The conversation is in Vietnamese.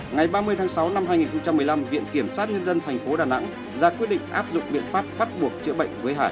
ngày ba mươi tháng sáu năm hai nghìn một mươi năm viện kiểm sát nhân dân tp đà nẵng ra quyết định áp dụng biện pháp bắt buộc chữa bệnh với hải